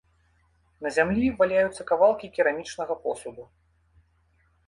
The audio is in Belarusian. На зямлі валяюцца кавалкі керамічнага посуду.